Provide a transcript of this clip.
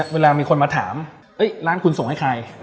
เวลามีคนมาถามร้านคุณส่งให้ใคร